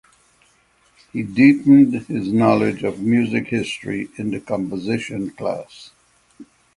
He deepened his knowledge of music history in the composition class.